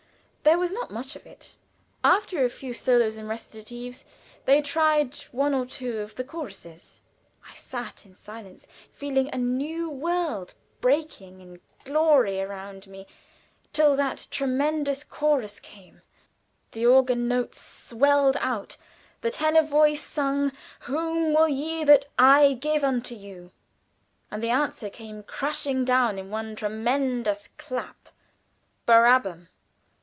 There was not much of it. After a few solos and recitatives, they tried one or two of the choruses. I sat in silence, feeling a new world breaking in glory around me, till that tremendous chorus came; the organ notes swelled out, the tenor voice sung "Whom will ye that I give unto you?" and the answer came, crashing down in one tremendous clap, "Barrabam!"